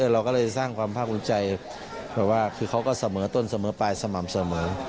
เราก็เลยสร้างความภาคภูมิใจเพราะว่าคือเขาก็เสมอต้นเสมอไปสม่ำเสมอ